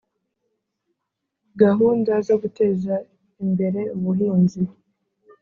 Gahunda zo guteza imbere ubuhinzi